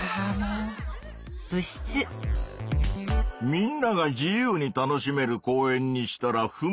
みんなが自由に楽しめる公園にしたら不満が出た。